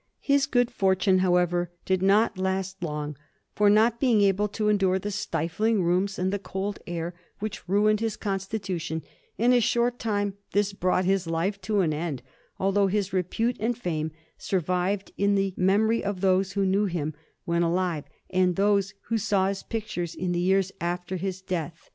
His good fortune, however, did not last long, for, not being able to endure the stifling rooms and the cold air, which ruined his constitution, in a short time this brought his life to an end; although his repute and fame survived in the memory of those who knew him when alive, and of those who saw his works in the years after his death.